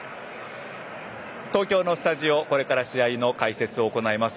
東京のスタジオにはこれから試合の解説を行います